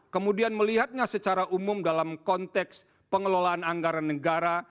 kemudian melihatnya secara umum dalam konteks pengelolaan anggaran negara